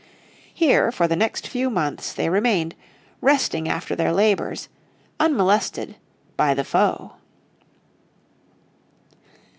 Here for the next few months they remained, resting after their labours, unmolested by the foe.